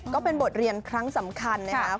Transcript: ก็เป็นบทเรียนครั้งสำคัญนะครับ